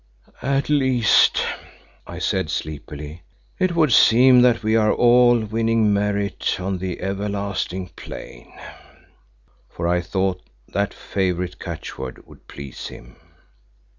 "At least," I said sleepily, "it would seem that we are all winning merit on the Everlasting Plane," for I thought that favourite catchword would please him.